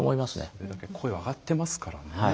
それだけ声が上がっていますからね。